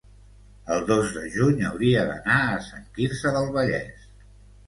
el dos de juny hauria d'anar a Sant Quirze del Vallès.